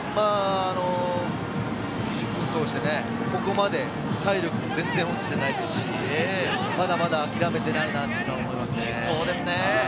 ９０分通して、ここまで体力は全然落ちていないですし、まだまだ諦めていないと思います。